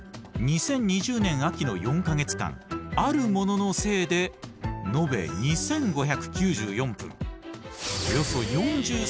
２０２０年秋の４か月間あるもののせいでそこで問題。